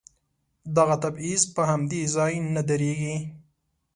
دغه تبعيض په همدې ځای نه درېږي.